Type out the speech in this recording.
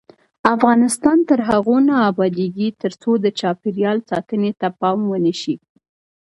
افغانستان تر هغو نه ابادیږي، ترڅو د چاپیریال ساتنې ته پام ونشي.